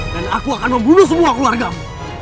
dan aku akan membunuh semua keluargamu